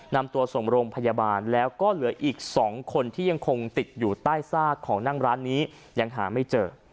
นำตัวส่งโรงพยาบาลแล้วก็เหลืออีก๒คนที่ยังคงติดอยู่ใต้ซากของนั่งร้านนี้ยังหาไม่เจอ